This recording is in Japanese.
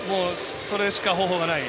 それしか方法がない。